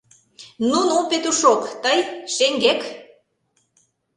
— Ну-ну, Петушок, тый, шеҥгек!